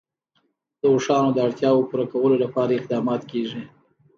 د اوښانو د اړتیاوو پوره کولو لپاره اقدامات کېږي.